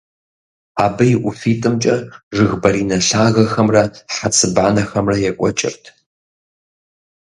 Абы и ӀуфитӀымкӀэ жыг баринэ лъагэхэмрэ хьэцыбанэхэмрэ екӀуэкӀырт.